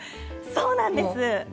そうなんです。